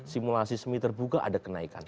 simulasi semi terbuka ada kenaikan